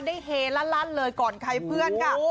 เฮลั่นเลยก่อนใครเพื่อนค่ะ